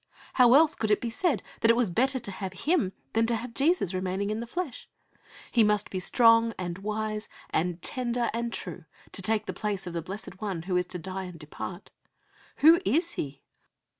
How else could it be said that it was better to have Him than to have Jesus remaining in the flesh? He must be strong and wise, and tender and true, to take the place of the Blessed One who is to die and depart. Who is He?